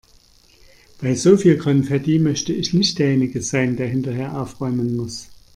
Bei so viel Konfetti möchte ich nicht derjenige sein, der hinterher aufräumen muss.